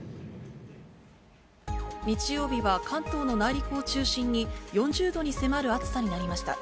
日曜日は、関東の内陸を中心に４０度に迫る暑さになりました。